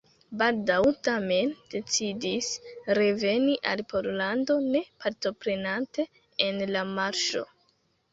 Baldaŭ tamen decidis reveni al Pollando ne partoprenante en la marŝo.